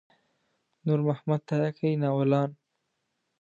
نور محمد تره کي ناولان.